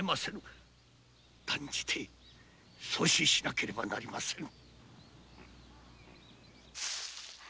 断じて阻止しなければなりませぬ。